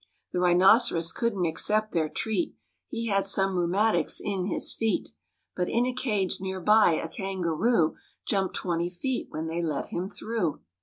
The rhinoceros couldn't accept their treat He had some rheumatics in his feet. But in a cage near by a kangaroo Jumped twenty feet when they let him through.